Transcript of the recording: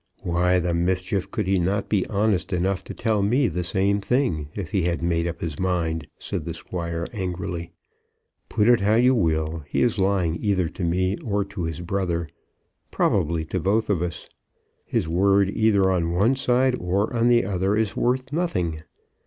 "Why the mischief could he not be honest enough to tell me the same thing, if he had made up his mind?" said the Squire, angrily. "Put it how you will, he is lying either to me or to his brother; probably to both of us. His word either on one side or on the other is worth nothing.